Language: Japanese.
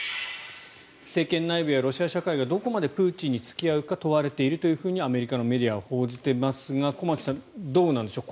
政権内部やロシア社会がどこまでプーチン氏に付き合うか問われているとアメリカのメディアは報じていますが駒木さん、どうなんでしょう。